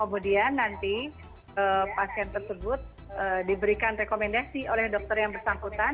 kemudian nanti pasien tersebut diberikan rekomendasi oleh dokter yang bersangkutan